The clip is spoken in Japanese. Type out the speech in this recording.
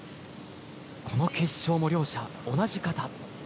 この決勝も両者同じ形。